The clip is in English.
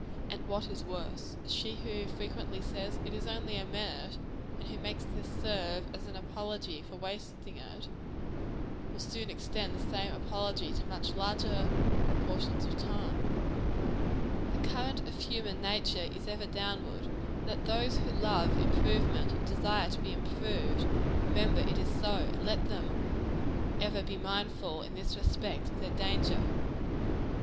And what is worse, she who frequently says, It is only a minute and who makes this serve as an apology for wasting it will soon extend the same apology to much larger portions of time. The current of human nature is ever downward: let those who love improvement and desire to be improved, remember it is so; and let them ever be mindful, in this respect, of their danger.